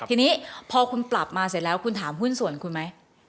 ทีนี้พอคุณปรับมาเสร็จแล้วคุณถามหุ้นส่วนคุณไหม